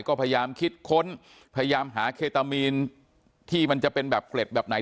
ก็พยายามคิดค้นพยายามหาเคตามีนที่มันจะเป็นแบบเกล็ดแบบไหน